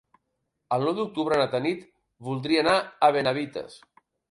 El nou d'octubre na Tanit voldria anar a Benavites.